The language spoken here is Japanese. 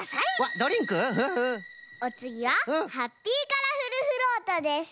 おつぎはハッピーカラフルフロートです。